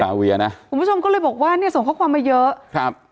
เวียนะคุณผู้ชมก็เลยบอกว่าเนี่ยส่งข้อความมาเยอะครับ